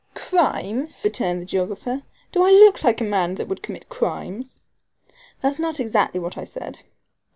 "Crimes!" returned the geographer. "Do I look like a man that would commit crimes?" "That's not exactly what I said."